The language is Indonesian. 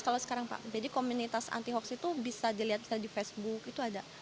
kalau sekarang komunitas anti hoax itu bisa dilihat di facebook itu ada